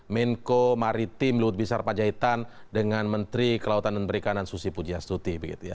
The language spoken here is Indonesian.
menko maritim lutbisar pajahitan dengan menteri kelautan dan perikanan susi pujiasuti